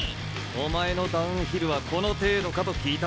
お前のダウンヒルはこの程度かと聞いたんだ鳴子。